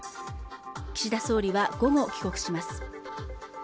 岸田総理は午後帰国します